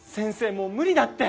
もう無理だって！